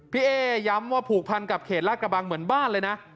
เอ๊ย้ำว่าผูกพันกับเขตลาดกระบังเหมือนบ้านเลยนะ